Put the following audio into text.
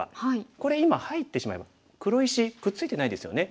これ今入ってしまえば黒石くっついてないですよね。